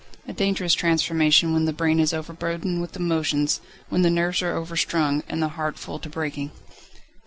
A dangerous transformation when the brain is overburdened with emotions, when the nerves are overstrung and the heart full to breaking.